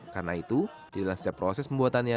karena itu di dalam setiap proses pembuatannya